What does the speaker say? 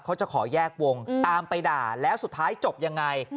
เขาจะขอแยกวงตามไปด่าแล้วสุดท้ายจบยังไง